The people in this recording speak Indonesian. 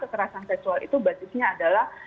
kekerasan seksual itu basisnya adalah